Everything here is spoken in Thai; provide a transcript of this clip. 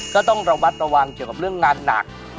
ก็ต้องระมัดระวังเกี่ยวกับเรื่องงานหนัก